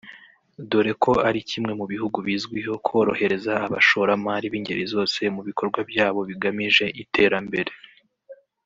dore ko ari kimwe mu bihugu bizwiho korohereza abashoramari b’ingeri zose mu bikorwa byabo bigamije iterambere